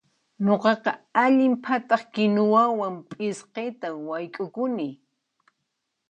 Nuqaqa allin phataq kinuwawan p'isqita wayk'ukuni.